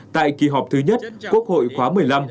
tại kỳ họp thứ nhất quốc hội khóa một mươi năm